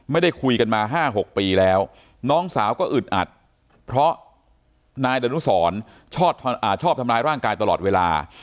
ไม่ได้คุยกันมา๕๖ปีแล้วน้องสาวก็อึดอัดเพราะนายดนุสรชอบทำร้ายร่างกายตลอดเวลา